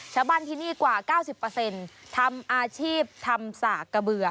ชาวบ้านที่นี่กว่า๙๐ทำอาชีพทำสากกระเบือ